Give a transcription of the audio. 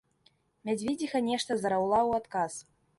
Мядзведзіха нешта зараўла ў адказ.